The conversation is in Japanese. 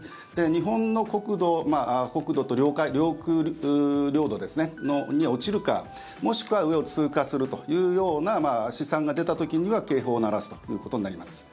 日本の国土と領海領空、領土に落ちるかもしくは、上を通過するというような試算が出た時には警報を鳴らすということになります。